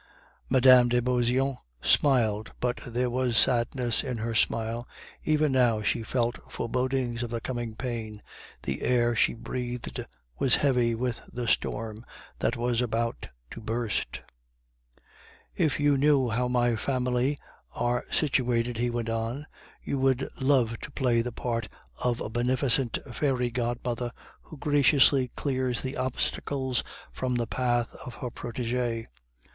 Mme. de Beauseant smiled but there was sadness in her smile; even now she felt forebodings of the coming pain, the air she breathed was heavy with the storm that was about to burst. "If you knew how my family are situated," he went on, "you would love to play the part of a beneficent fairy godmother who graciously clears the obstacles from the path of her protege."